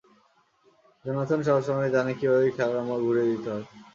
Jonathan সবসময়ই জানে কীভাবে খেলার মোড় ঘুরিয়ে দিতে হয়!